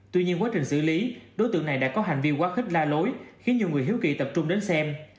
tuy nhiên quá trình xử lý đối tượng này đã có hành vi quá khích la lối khiến nhiều người hiếu kỳ tập trung đến xem